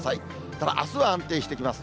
ただあすは安定してきます。